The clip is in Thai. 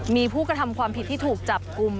มีผู้กระทำความผิดที่ถูกจับกลุ่ม